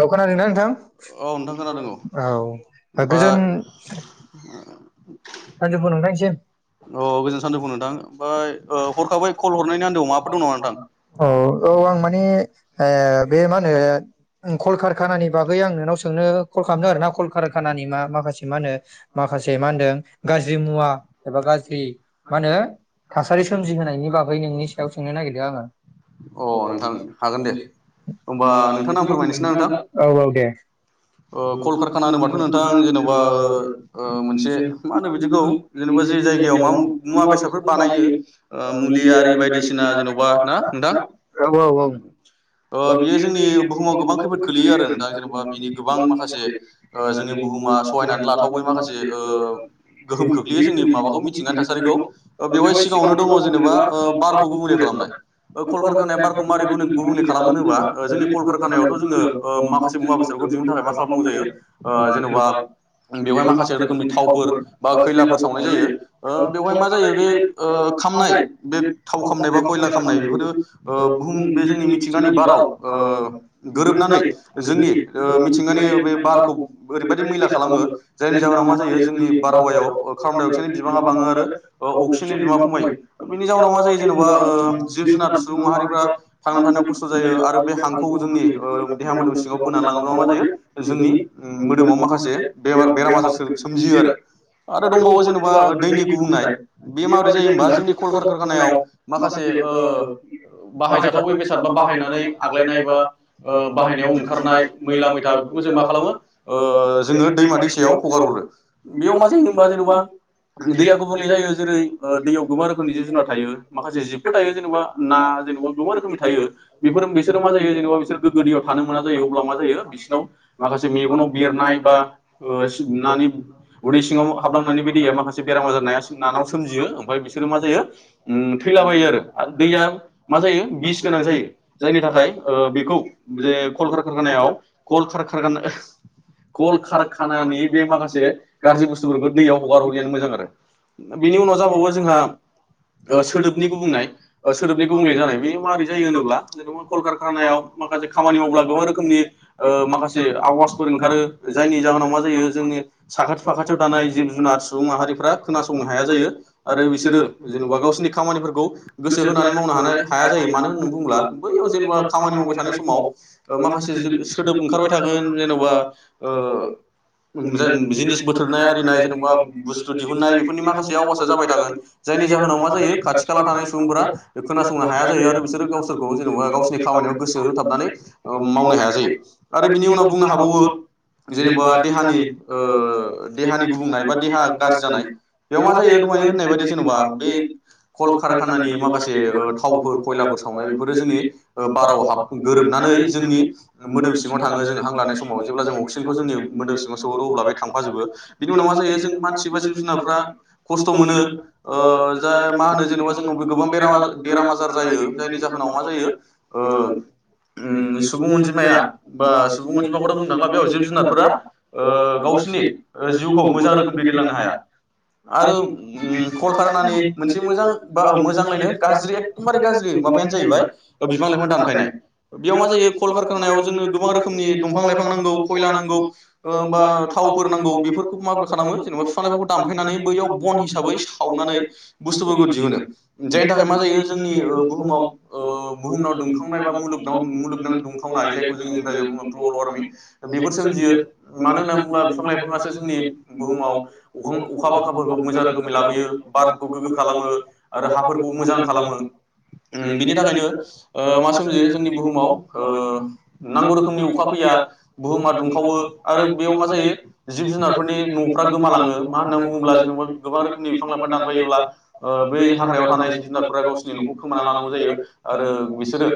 औ खोनादोंना नोंथां औ गोजोन औ गोजोन सान्जौफु नोंथां ओमफाय औ औ आं माने ए बे मा होनो कलकारखानानि बागै आं नोंनाव सोंनो कल खालामदों आरो ना कलकारखानानि मा माखासे मा होनो माखासे मा होनदों गाज्रि मुवा एबा गाज्रि मा होनो थासारि सोमजिहोनायनि बागै नोंनि सायाव सोंनो नागिरदों आङो औ औ दे [unintelligible] मुलियारि बायदिसिना [unintelligible] ना नोंथां औ औ ओ बियो जोंनि बुहुमाव गोबां खैफोद खोलैयो आरो दा जेनेबा बिनि गोबां माखासे ओ जोंनि बुहुमा सहायनानै लाथावै माखासे ओ गोहोम खोख्लैयो जोंनि माबाखौ मिथिंगानि थासारिखौ ओ बेवहाय सिगाङावनो [unintelligible] कल कारखानायावथ' जोङो माखासे मुवा बेसादफोरखौ दिहुननो थाखाय मा खालामनांगौ जायो जेन'बा बेवहाय माखासे रोखोमनि थावफोर बा खैलाफोर सावनाय जायो बेवहाय मा जायो बे खामनाय बे थाव खामनाय बा खयला खामनाय बेफोरो ओ बुहुम बे जोंनि मिथिंगानि बाराव ओ गोरोबनानै जोंनि ओ मिथिंगानि बे बारखौ ओरैबायदि मैला खालामो जायनि जाहोनाव मा जायो जोंनि बारहावायाव कारबनडाइ अक्साइडनि बिबाङा बाङो आरो अक्सि [unintelligible] औ जोंनि देहा मोमाव सिङाव बोनानै लाङोबा मा जायो जोंनि मोदोमाव माखासे बेमार बेराम आजार सोमजियो आरो आरो दंबावो जेनेबा दैनि गुबुंनाय बे माबोरै जायो होनबा जोंनि कल कार खारखानायाव माखासे ओ बाहायजाथावै बेसाद बा बाहायनानै आग्लायनाय ओ बाहायनायाव ओंखारनाय मैला मैथा बेफोरखौ जों मा खालामो ओ जोङो दैमा दैसायाव हगार हरो बेयाव मा जायोबा जेनेबा दैया गुबुंले जायो जेरै [unintelligible] बिसोर गोग्गो दैयाव थानो मोना जायो अब्ला मा जायो बिसिनाव माखासे मेनाव बेरनाय बा सिबोनानै उदै सिङाव हाबलांनानै बे दैया माखासे बेराम आजार नानाव सोमजियो यो ओमफाय बिसोरो मा जायो थैलाबायो आरो दैया मा जायो बिस गोनां जायो जायनि थाखाय ओ बेखौ जे कल खार खारखानायाव कल खारखानाया कल खारखानानि बे माखासे गाज्रि बुस्थुफोरखौ दैयाव हगार हरियानो मोजां आरो बेनि उनाव जाबावो जोंहा सोदोबनि गुबुंनाय सोदोबनि गुबुंले जानाय बेयो माबोरै जायो होनोब्ला जेनबा कल कार नायाव माखासे खामानि मावब्ला गोबां रोखोमनि ओ माखासे आवाजफोर ओंखारो जायनि जाहोनाव मा जायो जोंनि साखाथि फाखाथियाव थानाय जिब जुनार सुबुं माहारिफ्रा खोनासंनो हाया जायो। आरो बिसोरो जेनबा गावसिनि खामानिफोरखौ गोसो होनानै मावनो हानाय हाया जायो मानो होननानै बुङोब्ला बैयाव जेनेबा खामानि मावबाय थानाय समाव ओ माखासे सोदोब ओंखारबाय थागोन जेन'बा ओ जो जिनिस बोथोरनाय आरिनाय जेन'बा बुस्थु दिहुननाय ओरैफोरनि माखासे आवासा [unintelligible] जायनि जाहोनाव मा जायो खाथि खाला थानाय सुबुंफोरा खोनासंनो हाया जायो आरो बिसोरो गावसोरखौबो जेनबा गावसिनि खामानियाव होथाबनानै ओ मावनो हाया जायो आरो बिनि उनाव बुंनो हाबावो जेनेबा देहानि ओ देहानि गुबुंनाय बा देहा गाज्रि जानाय बेयाव मा [unintelligible] जायो बायदि जेनेबा बे कलकारखानानि माखासे ओ थावफोर खयलाफोर सावनाय [inaudible] ओ बाराव हाब गोरोबनानै जोंनि ओ मोदोम सिङाव थाङो जों हां लानाय समाव जेब्ला जों अक्सिजेनखौ जोंनि मोदोम सिङाव सोहरो अब्ला बे थांफाजोबो बिनि उनाव मा जायो जों मानसि बा जिब जुनारफ्रा खस्थ' मोनो ओ जाय मा होनो जेनबा जोंनावबो गोबां बेराम बेराम- आजार जायो जायनि जाहोनाव मा जायो ओ उम सुबुं अनजिमाया बा सुबुं अनजिमाखौथ' बुंनो थांला बेयाव जिब -जुनारफोरा ओ गावसिनि ओ जिउखौ मोजां रोखोम दैदेनलांनो हाया हा। उम कलखारनानि मोनसे मोजां बा मोजांलायनो गाज्रि एकदमबारे गाज्रि माबायानो जाहैबाय। ओ बिफां -लाइफां दानफायनाय बियाव मा जायो कल-खानायाव जोंनो गोबां रोखोमनि दंफां -लाइफां नांगौ खयला नांगौ ओ ओमबा थाव फोर नांगौ बेफोरखौ माबोरै खालामो जेनबा फिफां -लाइफांखौ दानफायनानै बो बन हिसाबै सावनानै बुस्थुफोरखौ दिहुनो जायनि थाखाय मा जायो जोंनि ओ बुहुमाव ओ। बुहुमनाव दुंखांनाय बा मुलुग दाउन मुलुग दाउनखौ दुंखावनाय जायखौ जों इंराजआव बुङो ग्ललर्मिं बेफोर सोमजियो मानो होनना बुङोब्ला बिफां -लाइफाङासो जोंनि बुहुमाव अखां अखा-बांखा मोजां रोखोमै लाबोयो बारफोरखौ गोग्गो खालामो आरो हाफोरखौ मोजां खालामो उम बिनि थाखायनो ओ मा सोमजियो जोंनि बुहुमाव ओ नांगौ रोखोमनि अखा फैया बुहुमा दुंखावो आरो बेयाव मा जायो जिब -जुनारफोरनि न'फ्रा गोमालाङो मा होनना बुङो [unintelligible] गोबां रोखोमनि बिफां- लाइफां दानफायोब्ला ओ बै हाग्रायाव थानाय जिब- जुनारफ्रा गावसिनि न'खौ खोमाना लानांगौ जायो। आरो बिसोरो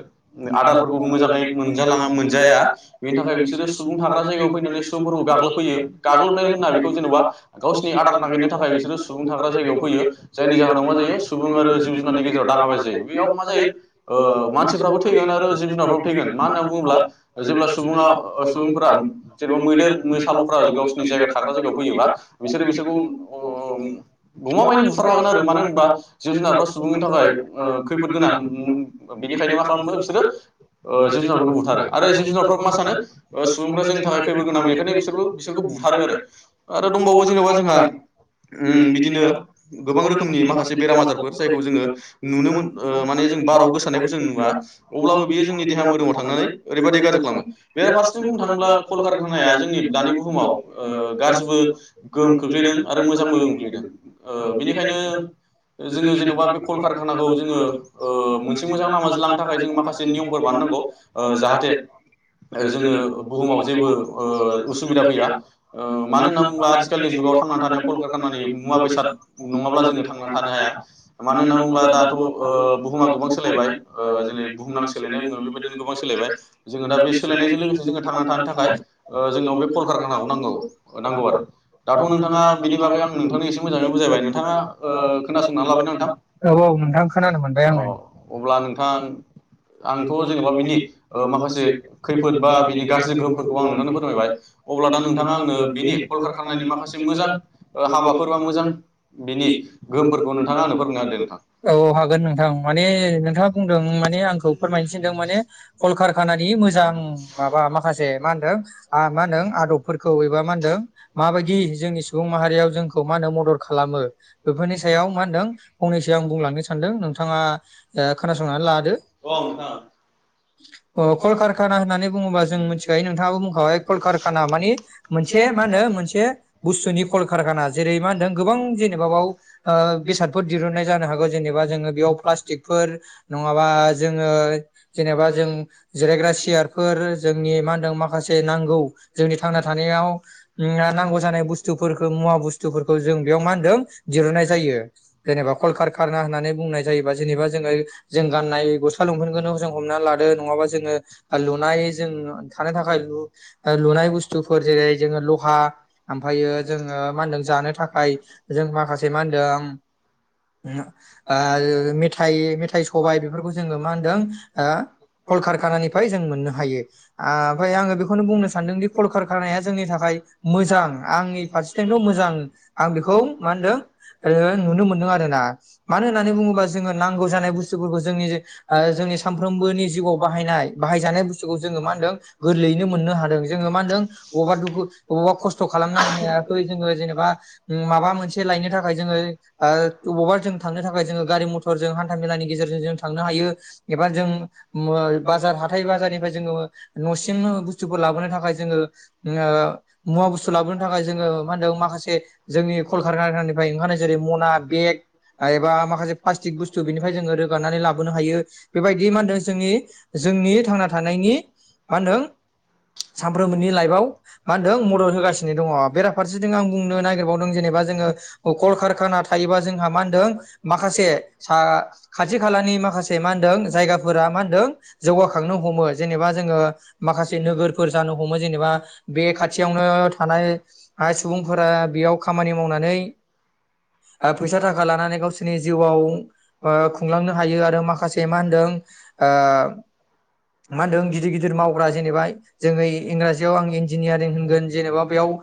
आदारफोरखौ मोजाङै मोनजलाङा मोनजाया बेनि थाखाय बिसोरो सुबुं थाग्रा जायगायाव फैनानै सुबुंफोरखौ गाग्लोबफैयो गाग्लोबनाय होनना बेखौ जेन'बा गावसिनि आदार ना थाखाय बिसोरो सुबुं थाग्रा जायगायाव फैयो जायनि जाहोनाव मा जायो सुबुं आरो जिब- जुनारनि गेजेराव दाङाबाजि जायो बेयाव मा जायो। ओ- मानसिफ्राबो थैगोन आरो जिब -जुनारफ्राबो थैगोन मा होनना बुङोब्ला जेब्ला सुबुङा ओ सुबुंफोरा जेनेबा मैदेर मैसा ल'फ्रा गावसिनि जायगा थाग्रा जायगायाव फैयोबा बिसोरो बिसोरखौ। अ अ उम गमायैनो बुथारखागोन आरो मानो होनोबा जिब- जुनारफ्रा सुबुंनि थाखाय ओ- खैफोद गोनां। बिनिखायनो मा खालामो बिसोरो ओ- जिब- जुनारखौथ' बुथारो आरो जिब- जुनारफ्राबो मा सानो ओ-सुबुंफ्रा जोंनि थाखाय खैफोद गोनां बे बेखायनो बिसोरबो बिसोरखौ बुथारो आरो आरो दंबावो जेनबा जोंहा। उम बिदिनो गोबां रोखोमनि माखासे बेराम आजारफोर जायखौ जोङो नुनो मोन ओ- माने जों बाराव गोसो। [unintelligible] जों नुवा अब्लाबो बियो जोंनि देहा मोदोमाव थांनानै ओरैबायदि गाज्रि खालामो बेरा फारसेथिं बुंनो थाङोब्ला कलकार खानाया जोंनि दानि बुहुमाव ओ- गाज्रिबो गोहोम खोख्लैदों आ- मोजांबो गोग्लैदों ओ- बेनिखायनो जोङो जेनबा बे कलकानाखौ जोङो ओ मोनस मोजां लानामाजोंलांनो थाखाय जों माखासे नियमफोर बानायनांगौ ओ जाहाथे ओ- जोङो बुहुमाव जेबो ओ- उसुबिदा फैया ओ- मानो होनना बुङोब्ला आथिखालनि जुगाव थां कल -कारखानानि मुवा बेसाद नङाब्ला जोङो थांनानै थानो हाया मानो होनना बुङोब्ला दाथ' ओ- बुहुमा [unintelligible] सोलायबाय ओ- जोंनि भहुमनां सोलायनाय बुङो बेबायदिनो गोबां सोलायबाय जोङो दा बे सोलायनायजों लोगोसे जोङो थांना थानो थाखाय ओ-जोंनाव बे कलकारखानाखौ नांगौ नांगौ आरो दाथ' नोंथां नोंथाङा बेनि बागै आं नोंथांनो एसे मोजाङै बुजायबाय नोंथाङा ओ- खोनासंनानै लाबाय नोंथां? औ औ नोंथां खोनानो मोनबाय आंङो । अब्ला नोंथां आंथ' जेनेबा बिनि ओ- माखासे खैफोद बा बिनि गाज्रि गोहोमफोरखौ आं नोंथांनो फोरमायबाय अब्ला दा नोंथाङा आंनो बिनि कलखार खनायनि माखासे। से मोजां हाबाफोर बा मोजां बिनि गोहोमफोरखौ नोंथाङा आंनो फोरमायनोागदों नोंथां। औ औ हागोन नोंथां मान बे नोंथाङा बुंदों माने आंखौ फोरमायनो थिन्दों माने कलखार खानानि मोजां माबा माखासे मा होनदों ओ-मा होनदों आदबफोरखौ एबा मा होनदों मा बायदि? जोंनि सुबुं माहारियाव जोंखौ मा होनो मदद खालामो बेफोरनि सायाव मा होनदों फंनैसो आं बुंलांनो सानदों नोंथाङा। ओ-खोनासंनानै लादो औ नोंथां अ कलखारखाना होननानै बुङोबा जों मिथिखायो नोंथाङाबो बुंखाबाय कलखारखाना मानि मोनसे मा होनो मोनसे। बुस्थुनि कलकारखाना जेरै मा होनदों गोबां जेनेबा बाव ओ- बेसादफोर दिरुननाय जानो हागौ जेनेबा जोङो बेयाव प्लास्टिक। नङाबा जोङो जेनेबा जों जिरायग्रा सियारफोर जोंनि मा होनदों माखासे नांगौ जोंनि थांना थानायाव उम नांगौ जानाय बुस स्थुफोरखौ मुवाबुस्थुफोरखौ जों बेयाव मा होन्दों दिरुननाय जायो जेनेबा कलखारखाना होननानै बुंनाय जायोबा जे जोंङो जों गाननाय गस्ला लंफेनखौनो जों हमनानै लादो नङाबा जोङो लुनाय जों थानो थाखाय लु ओ- लुनाय बुस्थुफोर जेरै जोङो लहा ओमफ फायो जों मा मोन्दों जानो थाखाय जों माखासे मा होन्दों उम ओ- मिथ थायो मेथाइ सबायाइ बेफोरखौ जोङो मा होनदों आ- कलकारखानानिफ्राय जों मोननो हायो आ- ओमफ्राय आङो बेखौनो बुंनो सान्दोंदि कलकारखानाया जोंनि थाखाय मोजां । आंनि फारसेथिंथ' मोजां आं बेखौ मा होनदों आङो नुनो मोन्दों आरोना मानो होननानै बुङोबा जों नांगौ जानाय बुस्थुफोरखौ जोंनिजो ओ- जोंनि सानफ्रबोनि जिउआव बाहायनाय बाहाय जानाय बुथुखौ जोङो मा होनदों गोरलैयैनो मोननो हादों जोङो मा होनदों बबावबा दुखु बबावबा खस्थ खालामनां हायाखै जोङो जेनेबा उम माबा मोनसे लायनो थाखाय जोङो ओ- अबावबा जों थांनो थाखाय जोङो गारि मथ थरजों हान्था मेलानि गेजेरजों जों थांनो हायो एबा जों मुवा बाजार हाथाइ बाजारनिफ्राइ जोङो न'सिमनो बुस्थुफोर लाबोनो थाखाय जोङो ओ मुवा बुस्थ स्थु लाबोनो थाखाय जोङो मा होनदों माखासे जोंनि कलखार खानानिफ्राय ओंखारनाय जेरै मना बेग एबा माखासे प्लास्टिक बुस्थु बेनिफ्राय जोङो रोगानानै लाबोनो हायो बेबायदि मा होनदों जोंनि जोंनि थांना थानायनि मा होनदों सामफ्रोमबोनि लाइफआव मा होनदों मदद होगासिन सिनो दङ बेराफारसेथिं आं बुंनो नागिरबावदों जेनेबा जोङो कलकारखाना थायोबा जोंहा मा होनदों माखासे सा खाथि खालानि माखासे मा होनदों जायगाफोरा मा होनदों जौगाखांनो हमो जेनेबा जोङो माखासे नोगोरफोर जानो हमो जेनेबा बे खाथियावनो थानाय ओ सुबुंफोरा बेयाव खामानि मावनानै ओ फैसा थाखा लानानै गावसोरनि जिउआव ओ खुंलांनो हायो आरो माखासे मा होनदों ओ मा होनदों गिदिर गिदिर मावग्रा जेनेबा जोङो इं-इंराजियाव आं इन्जिनियारिं होनगोन जेनेबा बेयाव ओ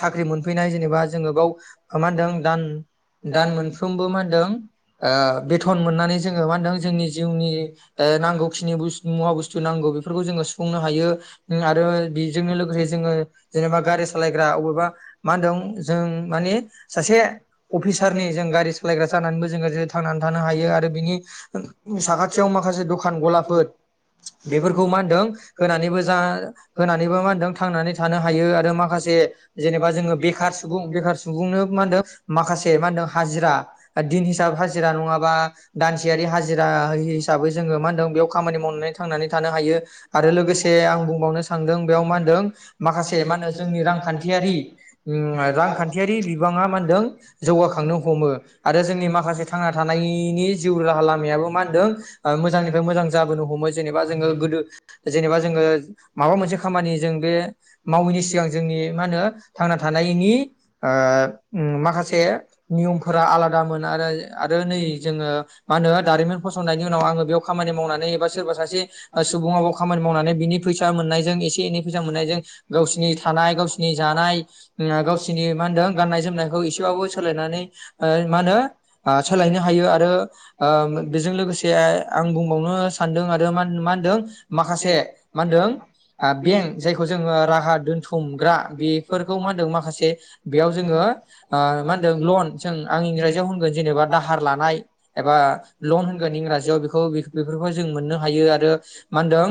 साख्रि मोनफैनाय जेनेबा जोङो बाव मा होनदों दान दान मोनफ्रोमबो मा होनदों ओ बेथन मोननानै जोङो मा होनदों जोंनि जिउनि ओ नांगौखिनि बुस मुवा बुस्थु नांगौ बेफोरखौ जोङो सुफुंनो हायो आरो बेजोंनो लोगोसे जोङो जेनेबा गारि सालायग्रा अबेबा मा होनदों जों माने सासे अफिसारनि जों गारि सालायग्रा जानानैबो जों गोजो थांनानै थानो हायो आरो बिनि साखाथियाव माखासे दखान गलाफोर बेफोरखौ मा होनदों होनानैबो जा होनानैबो मा होनदों थांनानै थानो हायो आर माखासे जेनेबा जोङो बेखार सुबुं बेखार सुबुंनो मा होनदो माखासे मा होन हाजिरान दिन हिसा बा हाजिरा नङाबा दानसेयारि हाजिरा हिसाबै जोङो मा होनदों बेयाव खामानि मावनानै थांनानै थानो हायो आरो लोगोसे आं बुंबावनो सानदों बेयाव मा होनदों माखासे मा होनो जोंनि रांखान्थियारि उम रांखान्थियारि बिबाङा मा होनदों जौगाखांनो हमो आरो जोंनि माखासे थांना थानायनि जिउ राहा लामायाबो मा होनदों मोजांनिफ्राय मोजां जाबोनो हमो जेनेबा जों गोदो जेनेबा जों माबा मोनसे खामानि जों बे मावैनि सिगां जोंनि मा होनो थांना थानायनि ओ माखासे नियमफोरा आलादा मोन आरो । आरो नै जोङो मा होनो दारिमिन फसंनायनि उनाव आङो बेयाव खामानि मावनानै एबा सोरबा सासे सुबुङाबो खामानि मावनानै बिनि फैसा मोननायजों एसे एनै फैसा मोननायजों गावसिनि थानाय गावसिनि जानाय गावसिनि मा होनदों गाननाय जोमनायखौ एसेबाबो सोलायनानै मा होनो आ सोलायनो हायो आरो आ बेजों लोगोसे आं बुंबावनो सानदों आरो मा मा होनदों माखासे मा होनदों बेंक जायखौ जोङो राहा दोनथु हमग्रा बेफोरखौ मा होनदों माखासे बेयाव जोङो मा होनदों लन जों आं इंराजियाव होनगोन। जेनेबा दाहार लानाय एबा लन होनग्रानि इंराजियाव बे बेफोरखौ जों मोननो हायो आरो मा होनदों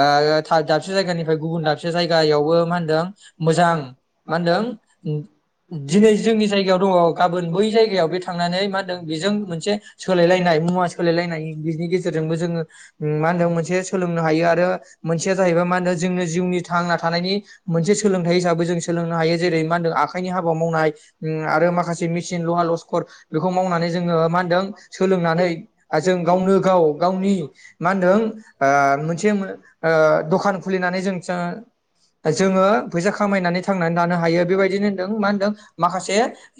ओ दाबसे जायगानिफ्राय गुबुन दाबसे जायगायावबो मा होन दों मोजां मा होनदों दिनै जोंनि जायगायाव दं गाबोन बै जायगायाव बे थांनानै मा होनदों बेजों मोनसे सोलायलायनाय मुवा सोलायलायनाय बिनि गेजेरजोंबो जोङो मा होनदों मोनसे सोलोंनो हायो आरो मोनसेया जाहैबाय मा होनदों जोंनो जिउनि थांना थानायनि मोनसे सोलोंथाय हिसाबै जों सोलोंनो हायो जेरै मा होनदों आखायनि हाबा मावनाय उम आरो माखासे मिसिन लहा लस्कर बेखौ मावनानै जोङो मा होनदों सोलोंनानै जों गावनो गाव गावनि मा होनदों आ मोनसे ओ दखान खुलिनानै जों फिसा जोङो फैसा खामायनानै थांनानै लानो हायो बेबायदिनो होन्दों मा होनदों माखासे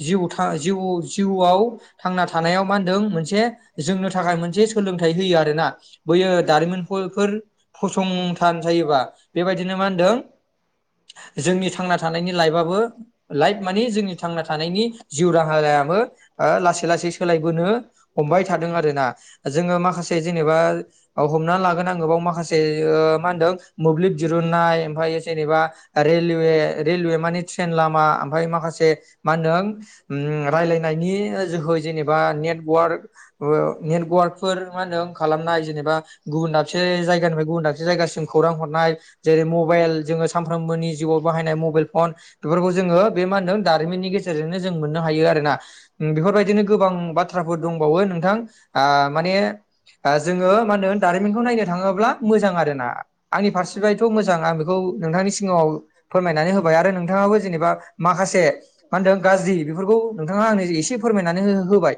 जिउ था जिउ जिउ जिआव थांना थानायाव मा होनदों मोनसे जोंनो थाखाय मोनसे सोलोंथाइ होयो आरोना बैयो दारिमिनफो फोर फसंथान जायोबा बेबायदिनो मा होनदों जोंनि थांना थानायनि लाइफआबो लाइफ माने जोंनि थांना थानायनि जिउ राहालायाबो ओ लासै लासै सोलायबोनो हमबाय थादों आरो ना जोंङो माखासे जेनबा हमना लाग्रो नांगोन बाव माखासे ओ मा होनदों मोब्लिब दिहुनाय ओमफाय जेनबा रेलवे रेलवे मानि ट्रेन लामा आमफाय माखासे मा होनदों उम राइलाइनायनि जोंखौ जेबा नेट नेवार्क अ नेटवार्क फोर मा होनो खालामनाय जेनेबा गुबुन दाबसे जायगानिफ्राय गुबन दसे जायगासिम खौरां हरनाय जेरै मबेइल सानफ्रोमबोनि जिउआव बाहायनाय मबेइल फन बेफोरखौ जोङो बे मा होनदों दारिमिननि गेजेरजोंनो जों मोननो हायो आरोना उम बेफोरबायदिनो गोबां बाथ्राफोर दंबावो नोंथां आ माने आ जोङो मा होनो दारिमिनखौ नायनो थाङोब्ला मोजां आरो ना आंनि फारसे बायथ मोजां आं बे नोंथांनि सिगाङाव फोरमायनानै होबाय आरो नोंथाङाबो जेनेबा माखासे मा होनदों गाज्रि बेफोरखौ नोंथाङा आंनि एसे फोरमायनानै हो होबाय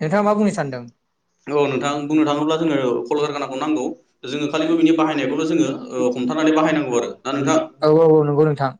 नोंथाङा मा बुंनो सानदों [unintelligible] औ-औ-औ नंगौ नोंथां